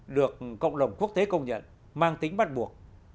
được cộng đồng quốc tế công nhận mang tính bắt buộc